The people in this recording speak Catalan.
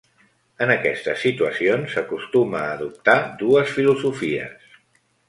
En aquestes situacions s'acostuma a adoptar dues filosofies.